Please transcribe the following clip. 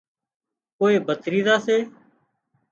ڪوئي ڀتريزا سي